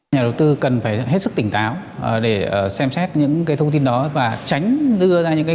nhà đầu tư cần phải hết sức tỉnh táo để xem xét những cái thông tin đó và tránh đưa ra những cái